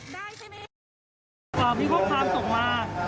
ตอนนี้ความส่งมา